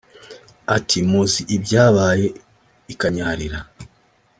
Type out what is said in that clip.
Ati “Muzi ibyabaye i Kanyarira